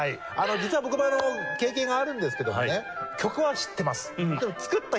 実は僕も経験があるんですけどもね。